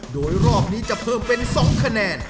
โดยรอบนี้จะเพิ่มเป็น๒คะแนน